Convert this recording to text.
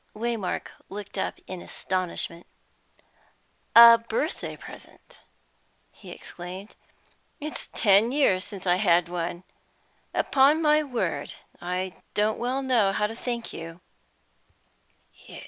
Waymark looked up in astonishment. "A birthday present!" he exclaimed. "It's ten years since I had one. Upon my word, I don't well know how to thank you!"